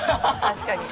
確かに。